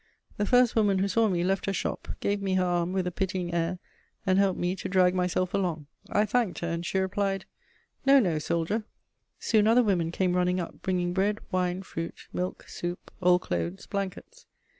The first woman who saw me left her shop, gave me her arm with a pitying air, and helped me to drag myself along. I thanked her, and she replied: "No, no, soldier," Soon other women came running up, bringing bread, wine, fruit, milk, soup, old clothes, blankets.